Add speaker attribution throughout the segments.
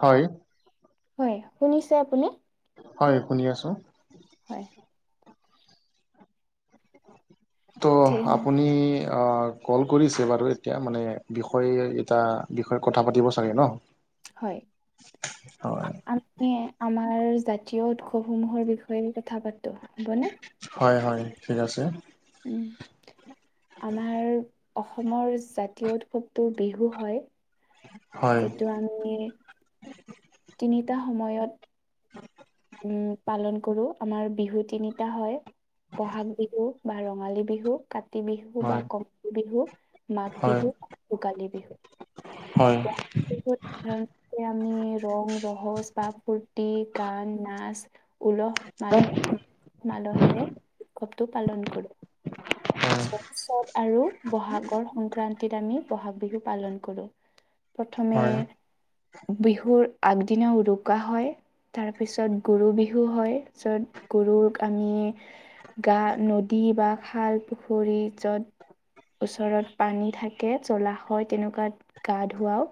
Speaker 1: হয়।
Speaker 2: হয় শুনিছে আপুনি।
Speaker 1: হয় শুনি আছোঁ।
Speaker 2: হয়।
Speaker 1: ত'
Speaker 2: ঠিক
Speaker 1: আপুনি অ কল কৰিছে বাৰু এতিয়া মানে বিষয়ে এটা বিষয়ে কথা পাতিব চাগে ন।
Speaker 2: হয়
Speaker 1: হয়,
Speaker 2: [unintelligible] আমাৰ জাতীয় উৎসৱসমূহৰ বিষয়ে কথা পাতো হ'বনে।
Speaker 1: হয় হয় ঠিক আছে।
Speaker 2: উম, আমাৰ অসমৰ জাতীয় উৎসৱটো বিহু হয়।
Speaker 1: হয়,
Speaker 2: যিটো আমি তিনিটা সময়ত উম, পালন কৰো আমাৰ বিহু তিনিটা হয়। ব'হাগ বিহু বা ৰঙালী বিহু কা কাতি বিহু বা
Speaker 1: হয়,
Speaker 2: ক বিহু, মাঘ
Speaker 1: হয়,
Speaker 2: বিহু, ভোগালী বিহু।
Speaker 1: হয়।
Speaker 2: বহুত [unintelligible] আমি ৰং -ৰহজ বা ফূৰ্তি, গান, নাচ উলহ মালহতে, মালহেৰে উৎসৱটো পালন কৰোঁ।
Speaker 1: হয়,
Speaker 2: চ'ত -চ'ত আৰু বহাগৰ সংক্ৰান্তিত আমি বহাগ বিহু পালন কৰোঁ। প্ৰথমে
Speaker 1: হয়,
Speaker 2: বিহুৰ আগদিনা উৰুকা হয়। তাৰপিছত গৰু বিহু হয় য'ত গৰুক আমি গা নদী বা খাল পুখুৰী য'ত ওচৰত পানী থাকে জলাশয় তেনেকুৱাত গা ধুৱাও,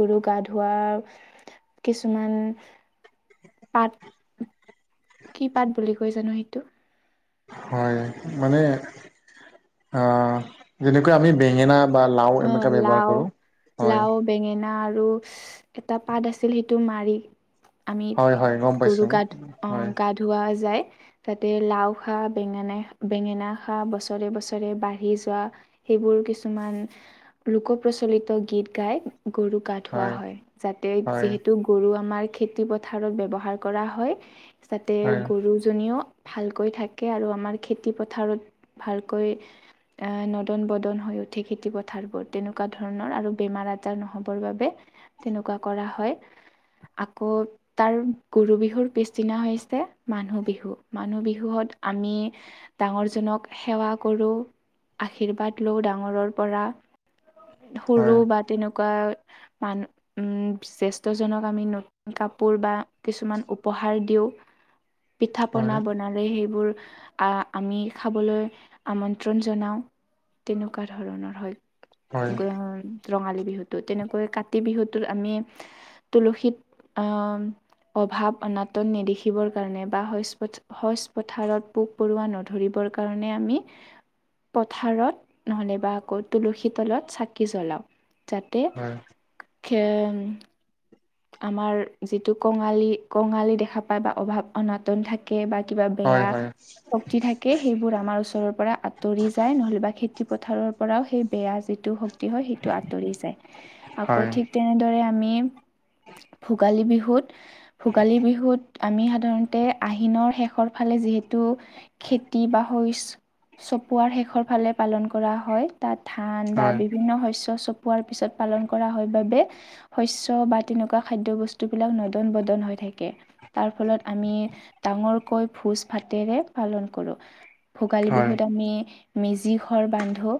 Speaker 2: গৰু গা ধোৱা। কিছুমান পাত, কি পাত বুলি কৈ জানো সেইটো?
Speaker 1: হয়, মানে অ', যেনেকুৱা আমি বেঙেনা বা লাও
Speaker 2: অ
Speaker 1: এনেকা ব্যৱহাৰ
Speaker 2: লাও
Speaker 1: কৰোঁ, হয়।
Speaker 2: লাও বেঙেনা আৰু এটা পাত আছিল সেইটো মাৰি আমি
Speaker 1: হয়, হয় গম
Speaker 2: গৰু
Speaker 1: পাইছোঁ।
Speaker 2: গাত, অ',
Speaker 1: হয়,
Speaker 2: গা ধুওৱা যায়। তাতে লাও খা, বেঙেনা- বেঙেনা খা বছৰে- বছৰে বাঢ়ি যোৱা সেইবোৰ কিছুমান লোক প্ৰচলিত গীত গাই গৰু গা ধোৱা হয়। যাতে
Speaker 1: হয়,
Speaker 2: যিহেতু গৰু আমাৰ খেতি পথাৰত ব্যৱহাৰ কৰা হয় যাতে
Speaker 1: হয়,
Speaker 2: গৰুজনীও ভালকৈ থাকে আৰু আমাৰ খেতি পথাৰত ভালকৈ অ, নদন বদন হৈ উঠে খেতিপথ পথাৰবোৰ তেনেকুৱা ধৰণৰ আৰু বেমাৰ আজাৰ নহবৰ বাবে তেনেকুৱা কৰা হয়। আকৌ তাৰ গুৰু বিহুৰ পিছদিনা হৈছে মানুহ বিহু। মানুহ বিহুত আমি ডাঙৰজনক সেৱা কৰোঁ, আশীৰ্বাদ লওঁ ডাঙৰৰ পৰা। সৰু
Speaker 1: হয়,
Speaker 2: বা তেনেকুৱা মানু উম, জ্যেষ্ঠজনক আমি নত কাপোৰ বা কিছুমান উপহাৰ দিওঁ, পিঠা
Speaker 1: হয়, হয়,
Speaker 2: পনা বনালে সেইবোৰ আমি খাবলৈ আমন্ত্ৰণ জনাওঁ। তেনেকুৱা ধৰণৰ হয়।
Speaker 1: হয়,
Speaker 2: ৰঙালী বিহুটো। তেনেকৈ কাঁতি বিহুটোত আমি তুলসীত অ, অভাৱ অনাটন নেদেখিবৰ কাৰণে বা [unintelligible] হজ পথাৰত পোক- পৰুৱা নধৰিবৰ কাৰণে আমি পথাৰত নহ'লেবা আকৌ তুলসী তলত চাকি জ্বলাওঁ যাতে
Speaker 1: হয়,
Speaker 2: [unintelligible] আমাৰ যিটো কঙালী -কঙালী দেখা পায় বা অভাৱ অনাটন থাক কে বা কিবা বেয়া
Speaker 1: হয়, হয়,
Speaker 2: শক্তি থাকে সেইবোৰ আমাৰ ওচৰৰ পৰা আঁতৰি যায় নহলেবা খেতি পথাৰৰ পৰাও সেই বেয়া যিটো শক্তি হয় সেইটো আঁতৰি যায়, আকৌ
Speaker 1: হয়,
Speaker 2: ঠিক তেনেদৰে আমি ভোগালী বিহুত ভোগালী বিহুত আমি সাধাৰণতে আহিনৰ শেষৰ ফালে যিহেতু খেতি বা শস্য চপোৱাৰ শেষৰ ফালে পালন কৰা হয়। তাত ধান বা বিভিন্ন শস্য চপোৱাৰ পিছত পালন কৰা হয় বাবে শস্য বা তেনেকুৱা খাদ্য বস্তুবিলাক নদন বদন হৈ থাকে। তাৰ ফলত আমি ডাঙৰকৈ ভোজ ভাতেৰে পালন কৰোঁ। ভোগালী
Speaker 1: হয়,
Speaker 2: বিহুত আমি মেজি ঘৰ বান্ধো,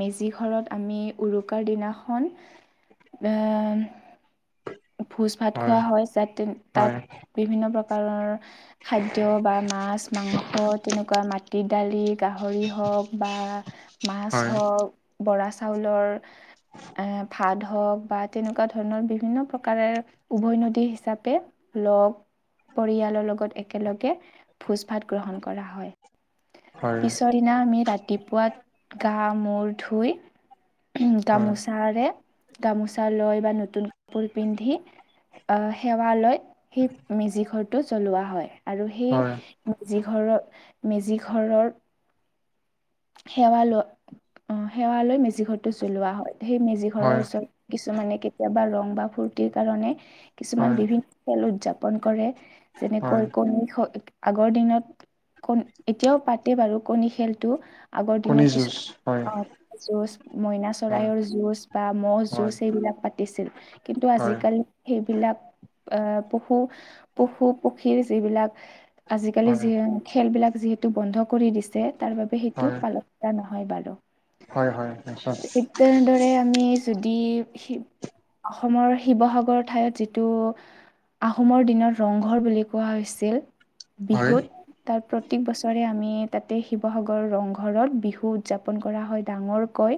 Speaker 2: মেজিঘৰত আমি উৰুকাৰ দিনাখন উম ভোজ ভাত খোৱা হয় যাতে
Speaker 1: হয়।
Speaker 2: তাত বিভিন্ন প্ৰকাৰৰ খাদ্য বা মাছ, মাংস তেনেকুৱা মাটিৰ দালি গাহৰি হওঁক বা মাছ
Speaker 1: হয়
Speaker 2: হওঁক, বৰা চাউলৰ এ ভাত হওঁক বা তেনেকুৱা ধৰণৰ বিভিন্ন প্ৰকাৰে উভৈ নদী হিচাপে লগ পৰিয়ালৰ লগত একেলগে ভোজ ভাত গ্ৰহণ কৰা হয়।
Speaker 1: হয়
Speaker 2: পিছত- দিনা আমি ৰাতিপুৱাত গা মূৰ ধুই-
Speaker 1: হয়
Speaker 2: গামোচাৰে গামোচা লৈ বা নতুন কাপোৰ পিন্ধি। সেৱা লৈ সেই মেজি ঘৰটো জ্বলোৱা হয়, আৰু
Speaker 1: হয়
Speaker 2: সেই- মেজি ঘৰৰ মেজি ঘৰৰ সেৱা লোৱা- অঁ সেৱা লৈ মেজি ঘৰটো জ্বলোৱা হয় সেই মেজি ঘৰৰ
Speaker 1: হয়
Speaker 2: ওচৰত কিছুমানে কেতিয়াবা ৰং- বা ফূৰ্তিৰ কাৰনে
Speaker 1: হয়
Speaker 2: কিছুমান বিভিন্ন খেল উদযাপন কৰে।
Speaker 1: হয়
Speaker 2: যেনেকৈ কণ আগৰ দিনত- কণ এতিয়াও পাতে বাৰু কণী খেলটো আগৰ
Speaker 1: কণী
Speaker 2: দিনত
Speaker 1: যুঁজ
Speaker 2: কিছু
Speaker 1: হয়
Speaker 2: অঁ- যুঁজ মইনা
Speaker 1: হয়
Speaker 2: চৰাইৰ যুঁজ বা ম'
Speaker 1: হয়
Speaker 2: যুঁজ এইবিলাক পাতিছিল। কিন্তু
Speaker 1: হয়
Speaker 2: আজিকালি সেইবিলাক- আহ পশু পশু পক্ষীৰ যিবিলাক- আজিকালি
Speaker 1: হয়
Speaker 2: যি খেলবিলাক যিহেতু বন্ধ কৰি দিছে তাৰ বাবে সেইটো পালকা নহয় বাৰু।
Speaker 1: হয় হয় হয় হয়।
Speaker 2: ঠিক তেনেদৰে আমি যদি- অসমৰ শিৱসাগৰ ঠাইত যিটো- আহোমৰ দিনত ৰংঘৰ বুলি কোৱা হৈছিল
Speaker 1: হয়
Speaker 2: বিহুত। তাত প্ৰত্যেক বছৰে আমি তাতে শিৱসাগৰৰ ৰংঘৰত বিহু উদযাপন কৰা হয় ডাঙৰ। কৈ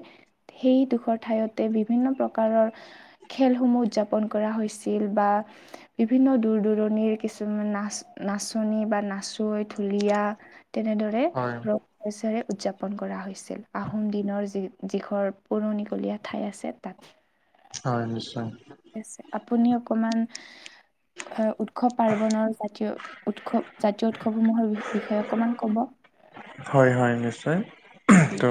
Speaker 2: সেই দুখৰ ঠাইতে বিভিন্ন প্ৰকাৰৰ- খেলসমূহ উৰ্দযাপন কৰা হৈছিল বা- বিভিন্ন দূৰ দূৰণিৰ কিছুমান নাচ নাচনী বা নাচৈ ঢুলীয়া- তেনেদৰে
Speaker 1: হয়
Speaker 2: ৰৰে উদযাপন কৰা হৈছিল আহোম দিনৰ যি যিখনৰ- পুৰণিকলীয়া ঠাই আছে তাত-
Speaker 1: হয় নিশ্চয়।
Speaker 2: আপুনি অকণমান উৎসৱ পাৰ্বনৰৰ জাতীয়- উৎসৱ জাতীয় উৎসৱসমূহৰ বি বিষয়ে অকণমান ক'ব।
Speaker 1: হয় হয় নিশ্চয়,
Speaker 2: উম
Speaker 1: তো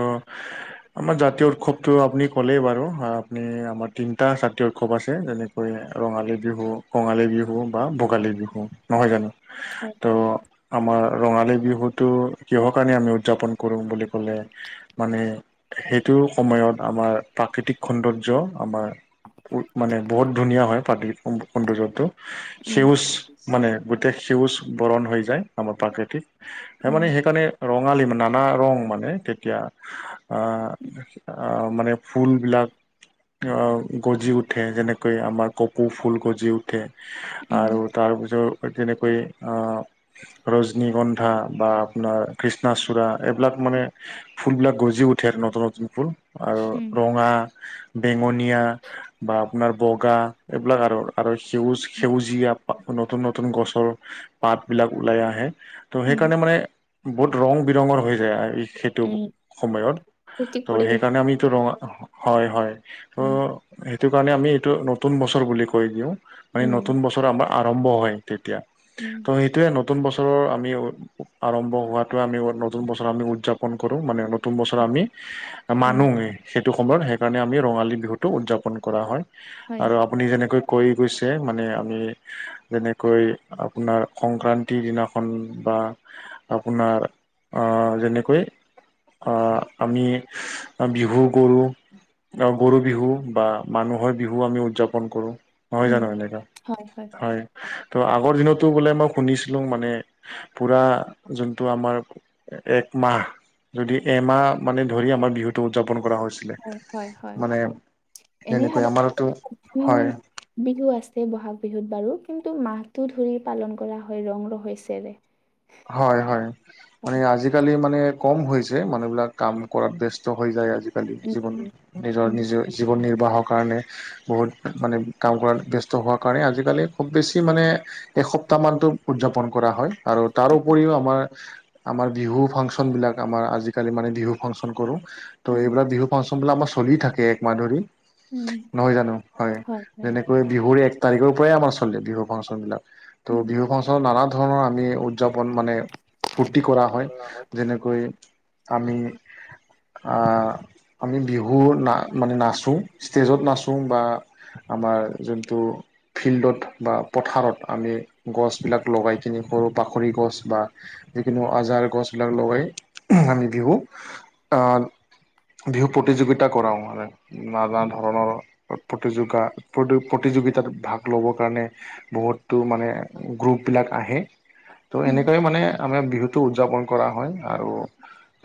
Speaker 1: আমাৰ জাতীয় উৎসৱতটো আপুনি ক'লেই বাৰু আপুনি আমাৰ তিনিটা জাতীয় উৎসৱ আছে যেনে- ৰঙালী বিহু কঙালী বিহু বা ভোগালী বিহু নহয় জানো।
Speaker 2: হয়।
Speaker 1: ত' আমাৰ ৰঙালী বিহুটো- কিহ কাৰনে আমি উদযাপন কৰোঁ বুলি ক'লে। মানে সেইটো সময়ত আমাৰ প্ৰাকৃতিক সৌন্দৰ্য্য আমাৰ। মানে বহুত ধুনীয়া হয় পতি সৌন্দৰ্য্যটো
Speaker 2: উম
Speaker 1: সেউজ মানে- গোটেই সেউজ বৰণ হৈ যায় আমাৰ প্ৰাকৃতিক সেই
Speaker 2: উম
Speaker 1: মানে সেই- কাৰানে ৰং আলি ম না না ৰং মানে তেতিয়া আহঁ- অঁ মানে ফুল বিলাক- অঁ গজি উঠে যেনেকৈ আমাৰ কপৌ ফুল গজি উঠে। উঠে,
Speaker 2: উম
Speaker 1: আৰু তাৰপিছত- তেনেকৈ ৰজনীগন্ধা বা- আপোনাৰ কৃষ্ণাচূড়া এইবিলাক মানে ফুলবিলাক গজি উঠে আৰু নতুন নতুন ফুল। আৰু
Speaker 2: উম
Speaker 1: ৰঙা বেঙুনীয়া বা আপোনাৰ বগা এইবিলাক আৰু।। আৰু সেউজ সেউজীয়া নতুন নতুন গছৰ পাতবিলাক ওলাই আহে। ত' সেই কাৰণে মানে বহুত ৰং বিৰঙৰ হৈ যায় খেতি। এইটো
Speaker 2: উম
Speaker 1: সময়ত
Speaker 2: প্ৰতীক
Speaker 1: ত'
Speaker 2: পৰিৱেশ
Speaker 1: সেইকাৰণে আমিতো ৰঙা হয় হয়।
Speaker 2: হয়
Speaker 1: ত'- সেইটো কাৰণে আমি এইটো নতুন বছৰ বুলি কৈ দিওঁ মানে
Speaker 2: উম
Speaker 1: নতুন বছৰ আমাৰ- আৰম্ভ হয় তেতিয়া।
Speaker 2: উম
Speaker 1: তো সেইটোৱে নতুন বছৰৰ আমি আৰম্ভ- হোৱাটোৱেই আমি নতুন বছৰ আমি উদযাপন কৰোঁ মানে নতুন বছৰ আমি
Speaker 2: উম
Speaker 1: মানোৱেই- সেইটো সময়ত সেইকাৰণে আমি ৰঙালী বিহুটো উদযাপন কৰা হয়
Speaker 2: হয়
Speaker 1: আৰু। আপুনি যেনেকৈ কৈ গৈছে মানে আমি। যেনেকৈ আপোনাৰ সংক্ৰান্তিৰ দিনাখন বা আপোনাৰ আ যেনেকৈ। আ আমি বিহু গৰু গৰু বিহু বা মানুহৰ বিহু আমি উদযাপন কৰোঁ। নহয়
Speaker 2: উম
Speaker 1: জানো এনেকুৱা হয়। ত' আগৰ দিনতো বোলে মই শুনিছিলোঁ মানে পুৰা যোনটো আমাৰ। একমাহ যদি এমাহ মানে ধৰি আমাৰ বিহুতটো উদযাপন কৰা হৈছে।
Speaker 2: হয় হয় হয়
Speaker 1: মানে
Speaker 2: এনেই
Speaker 1: সেনেকৈ
Speaker 2: সাধাৰণ
Speaker 1: আমাৰতো
Speaker 2: উম
Speaker 1: হয়।
Speaker 2: বিহু আছে বহাগ বিহুত বাৰু কিন্তু মাহটো ধৰি পালন কৰা হয় ৰং ৰহস্যৰে।
Speaker 1: হয় হয়। মানে আজিকালি মানে কম হৈছে মানুহ বিলাক কাম কৰাত ব্যস্ত হৈ যায়। আজিকালি
Speaker 2: উম
Speaker 1: জীৱন নিজৰ
Speaker 2: উম
Speaker 1: নিজৰ জীৱন নিৰ্বাহৰ কাৰণে। বহুত মানে কাম কৰাত ব্যস্ত হোৱাৰ কাৰণে, আজিকালি খুব বেছি মানে। এসপ্তাহ মানতটো উদযাপন কৰা হয় আৰু তাৰওপৰিও আমাৰ। আমাৰ বিহু ফাংচন বিলাক আমাৰ আজিকালি মানে বিহু ফাংচন কৰোঁ ত'
Speaker 2: উম
Speaker 1: এইবিলাক বিহু। ফাংচন বিলাক আমাৰ চলিয়ে থাকে একমাহ ধৰি
Speaker 2: উম,
Speaker 1: নহয় জানো
Speaker 2: হয় হয়
Speaker 1: হয়নে। বিহুৰ এক তাৰিখৰ পৰাই আমাৰ চলে বিহু ফাংচন বিলাক ত'
Speaker 2: উম
Speaker 1: বিহু ফাংচনত নানা ধৰণৰ আমি। উদযাপন মানে ফূৰ্তি কৰা হয়, যেনেকৈ আমি। আহ আমি বিহু না মানে নাচো, ষ্টেজত নাচো বা। আমাৰ যোনটো। ফিল্ডত বা পথাৰত আমি গছবিলাক লগাই কিনি কৰোঁ। পাখৰি গছ বা যিকোনো আজাৰ গছবিলাক লগাই আমি বিহু আহ বিহু প্ৰতিযোগিতা কৰাওঁ আৰু। নানা ধৰণৰ প্ৰতিযোগা প্ৰতি প্ৰতিযোগিতাত ভাগ ল'বৰ কাৰণে। বহুতো মানে গ্ৰুপবিলাক আহে। ত'
Speaker 2: উম
Speaker 1: এনেকৈ মানে আমাৰ বিহুতটো উদযাপন কৰা হয় আৰু।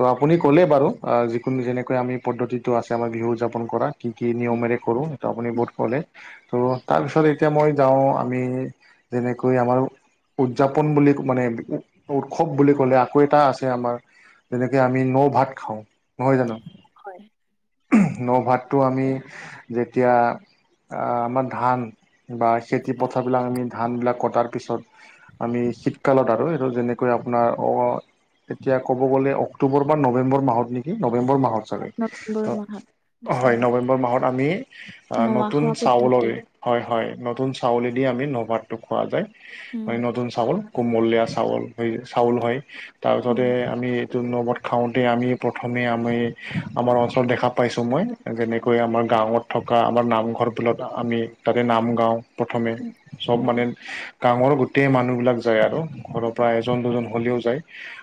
Speaker 1: ত' আপুনি ক'লে বাৰু অ যিকোনো যেনেকৈ আমি পদ্ধতিটো আছে আমাৰ বিহু উদযাপন কৰা। কি কি
Speaker 2: উম,
Speaker 1: নিয়মেৰে কৰোঁ সেইটো আপুনি বহুত ক'লে ত' তাৰপিছত এতিয়া মই যাওঁ আমি যেনেকৈ আমাৰ। উদযাপন বুলি মানে উ উৎসৱ বুলি ক'লে, আকৌ এটা আছে আমাৰ। তেনেকে আমি ন 'ভাত খাওঁ নহয় জানো?
Speaker 2: হয়।
Speaker 1: ন' ভাতটো আমি যেতিয়া। আমাৰ ধান বা খেতি পথাৰবিলাক আমি ধানবিলাক কটাৰ পিছত। আমি শীতকালত আৰু এইটো যেনেকৈ আপোনাৰ অ' তেতিয়া ক'ব গ'লে অক্টোবৰ বা নৱেম্বৰ মাহত নেকি! নৱেম্বৰ মাহত।
Speaker 2: নৱেম্বৰ
Speaker 1: ত'
Speaker 2: মাহত
Speaker 1: হয়
Speaker 2: ডিচেম্বৰ
Speaker 1: নৱেম্বৰ মাহত আমি
Speaker 2: নোৱা
Speaker 1: নতুন
Speaker 2: খোৱা পদ্ধতি
Speaker 1: চাউলগৈ। হয়- হয় নতুন চাউলেদি আমি নভাতটো খোৱা যায়
Speaker 2: উম
Speaker 1: হয় নতুন চাউল কোমলীয়া চাউল চাউল হয় তাৰপিছতে
Speaker 2: উম
Speaker 1: আমি। ন ভাত খাওঁতে আমি প্ৰথমে আমি আমাৰ অঞ্চলত দেখা পাইছোঁ মই। যেনেকৈ আমাৰ গাঁৱত থকা আমাৰ নামঘৰবিলত আমি তাতে নাম গাওঁ। প্ৰথমে
Speaker 2: উম
Speaker 1: চব
Speaker 2: উম উম
Speaker 1: মানে গাঁৱৰ গোটেই মানুহবিলাক যায় আৰু ঘৰৰ পৰা। এজন দুজন হ'লেও যায়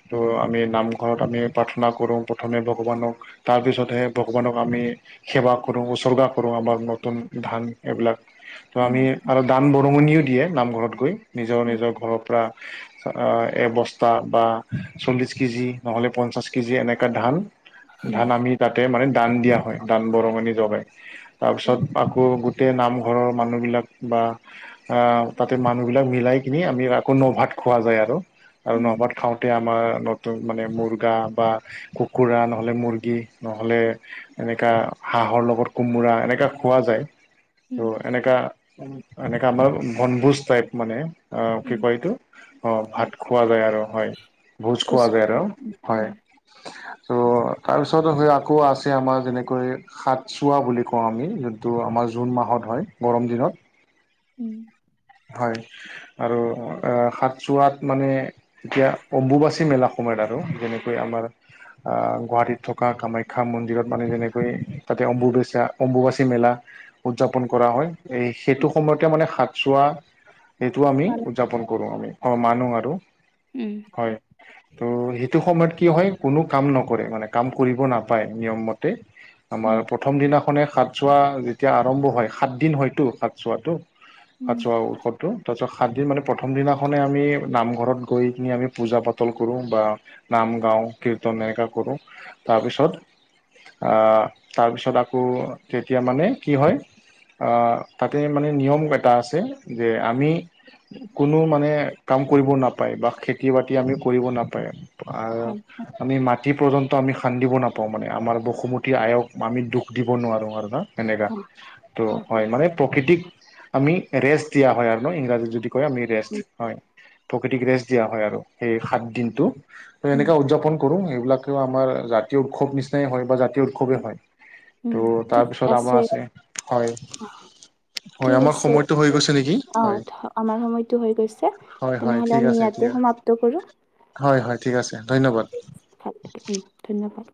Speaker 1: ত'
Speaker 2: উম
Speaker 1: আমি নামঘৰত আমি প্ৰাৰ্থনা কৰোঁ প্ৰথমে ভগৱানক। তাৰপিছতহে ভগৱানক আমি সেৱা কৰোঁ উছৰ্গা কৰোঁ আমাৰ নতুন। ধান এইবিলাক ত'
Speaker 2: উম
Speaker 1: আমি আৰু দান বৰঙণিও দিয়ে নামঘৰত গৈ নিজৰ- নিজৰ। বা এবস্তা বা চল্লিশ কেজি নহ'লে পঞ্চাছ কেজি এনেকুৱা ধান।
Speaker 2: উম
Speaker 1: ধান আমি তাতে মানে দান দিয়া হয় দান বৰঙণি জগাই। তাৰপিছত
Speaker 2: হয়
Speaker 1: আকৌ গোটেই নামঘৰৰ মানুহবিলাক বা। আহ তাতে মানুহবিলাক মিলাই কিনি আমি আকৌ ন ভাত খোৱা যায়, আৰু আৰু ন
Speaker 2: উম
Speaker 1: ভাত খাওঁতে গতে আমাৰ নতুন মানে মুৰ্গা বা কুকুৰা নহ'লে মুৰ্গী, নহ'লে এনেকা হাঁহৰ লগত কোমোৰা, এনেকা খোৱা যায়। ত
Speaker 2: উম
Speaker 1: এনেকা, এনেকা আমাৰ বনভোজ টাইপ মানে। কি
Speaker 2: উম
Speaker 1: কয় এইটো, অ ভাত
Speaker 2: হয়
Speaker 1: খোৱা যায় আৰু হয়, ভোজ খোৱা যায় আৰু,
Speaker 2: উম
Speaker 1: হয়।
Speaker 2: উম
Speaker 1: ত তাৰপিছত সেই আকৌ আছে আমাৰ যেনেকৈ সাতচোৱা বুলি কওঁ আমি যোনটো আমাৰ জুন মাহত হয়, গৰম দিনত।
Speaker 2: উম।
Speaker 1: হয়, আৰু সাতচোৱাত মানে এতিয়া অম্বুবাচী মেলা সময়ত আৰু, যেনেকৈ আমাৰ আহ গুৱাহাটীত থকা কামাখ্যা মন্দিৰত মানে যেনেকৈ, তাতে অম্বুবৈচা, অম্বুবাচী মেলা উদযাপন কৰা হয়, এ সেইটো সময়তে মানে সাত চোৱা সেইটো আমি
Speaker 2: পাল
Speaker 1: উদযাপন কৰো আমি, অ' মানো আৰু।
Speaker 2: উম।
Speaker 1: হয়। ত' সেইটো সময়ত কি হয়, কোনো কাম নকৰে, মানে কাম কৰিব নাপায়, নিয়ম মতে। আমাৰ
Speaker 2: উম
Speaker 1: প্ৰথম দিনাখনেই সাত চোৱা যেতিয়া আৰম্ভ হয়, সাতদিন হয়তো সাত চোৱাটো।
Speaker 2: উম
Speaker 1: ভাত চোৱা ঔষধটো, তাৰপাছত সাতদিন মানে প্ৰথম দিনাখনে আমি নামঘৰত গৈ কিনি আমি পূজা পাতল কৰোঁ বা নাম গাও কীৰ্তন এনেকা কৰোঁ, তাৰপিছত তাৰপিছত আকৌ তেতিয়া মানে কি হয় অ' তাতে মানে নিয়ম এটা আছে যে আমি কোনো মানে কাম কৰিব নাপায়, বা খেতি বাতি আমিও কৰিব নাপায়।
Speaker 2: হয় হয়
Speaker 1: [unintelligible] আমি মাটি পৰ্যন্ত আমি খান্দিব নাপাওঁ মানে, আমাৰ বসুমতী আয়ক, আমি দুখ দিব নোৱাৰোঁ আৰু না। এনেকা,
Speaker 2: হয়
Speaker 1: ত' হয়, মানে প্ৰকৃতিক আমি ৰেষ্ট দিয়া হয় আৰু ন, ইংৰাজী যদি [unintelligible] হয়, প্ৰকৃতিক ৰেষ্ট দিয়া হয় আৰু, সেই সাত দিনটো।
Speaker 2: উম উম
Speaker 1: এনেকা উদযাপন কৰোঁ, এইবিলাকেও আমাৰ জাতীয় উৎসৱ নিচিনাই হয় বা জাতীয় উৎসৱেই হয়।
Speaker 2: উম,
Speaker 1: ত'
Speaker 2: ঠিক
Speaker 1: তাৰপিছত আমাৰ আছে, হয়, হয়
Speaker 2: ঠিক
Speaker 1: আমাৰ
Speaker 2: আছে
Speaker 1: সময় হৈ গৈছে নেকি,
Speaker 2: অ
Speaker 1: হয়,
Speaker 2: আমাৰ সময়টো হৈ গৈছে
Speaker 1: হয়-হয়
Speaker 2: তেনেহ'লে
Speaker 1: ঠিক
Speaker 2: আমি
Speaker 1: আছে
Speaker 2: ইয়াতে
Speaker 1: এতিয়া।
Speaker 2: সমাপ্ত কৰোঁ
Speaker 1: হয় হয়, ঠিক আছে, ধন্যবাদ।
Speaker 2: ভাল [unintelligible] লকে ধন্যবাদ।